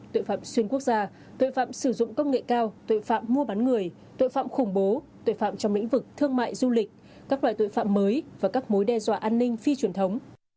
trong lĩnh vực thương mại du lịch các loại tội phạm mới và các mối đe dọa an ninh phi truyền thống